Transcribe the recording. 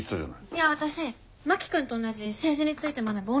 いや私真木君と同じ政治について学ぶ